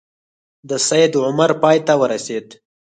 د سید عمر پای ته ورسېد.